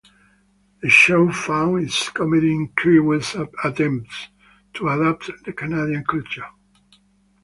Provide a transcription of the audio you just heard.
The show found its comedy in Crewe's attempts to adapt to Canadian culture.